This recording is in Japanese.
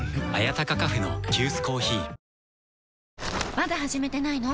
まだ始めてないの？